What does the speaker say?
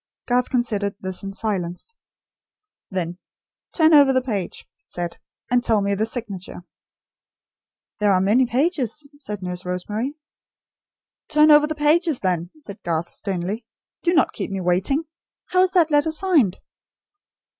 Garth considered this in silence. Then: "Turn over the page," he said, "and tell me the signature." "There are many pages," said Nurse Rosemary. "Turn over the pages then," said Garth, sternly. "Do not keep me waiting. How is that letter signed?"